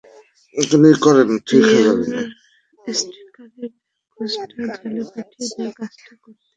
Real স্ট্রাইকারের ক্রসটা জালে পাঠিয়ে দেওয়ার কাজটা করতে কোনো কষ্টই হয়নি আরবেলোয়ার।